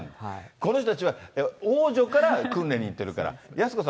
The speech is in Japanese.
この人たちは王女から訓練に行ってるから。